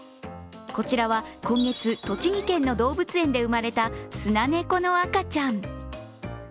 こちらは今月、栃木県の動物園で生まれたスナネコの赤ちゃん。